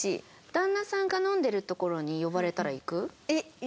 旦那さんが飲んでる所に呼ばれたら行く？